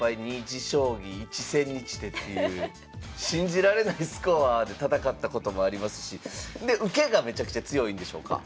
２持将棋１千日手」っていう信じられないスコアで戦ったこともありますしで受けがめちゃくちゃ強いんでしょうか。